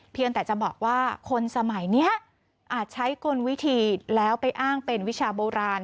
เพียงแต่จะบอกว่าคนสมัยนี้อาจใช้กลวิธีแล้วไปอ้างเป็นวิชาโบราณ